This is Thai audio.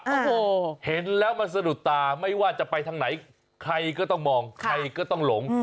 โอ้โหเห็นแล้วมันสะดุดตาไม่ว่าจะไปทางไหนใครก็ต้องมองใครก็ต้องหลง